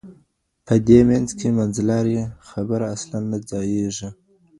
په دې منځ کي منځلارې خبره اصلاً نه ځاییږي.